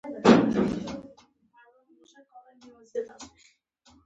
دا کیسه مې د ترکستان په میرو ورکه یونلیک کې لیکلې ده.